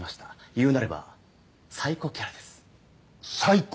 言うなればサイコキャラですサイコ？